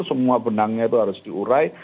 semua benangnya itu harus diurai